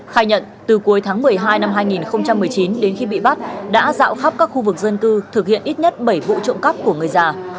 khai nhận từ cuối tháng một mươi hai năm hai nghìn một mươi chín đến khi bị bắt đã dạo khắp các khu vực dân cư thực hiện ít nhất bảy vụ trộm cắp của người già